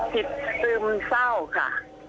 จิตซึมเศร้าค่ะ